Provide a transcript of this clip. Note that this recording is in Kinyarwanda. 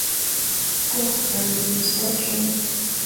bwoko bwanjye nimusohokemo